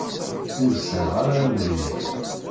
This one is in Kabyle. Ur sɛiɣ ara amrig.